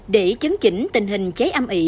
để chấn chỉnh tình hình cháy âm ỉ